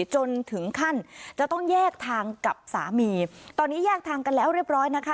จนถึงขั้นจะต้องแยกทางกับสามีตอนนี้แยกทางกันแล้วเรียบร้อยนะคะ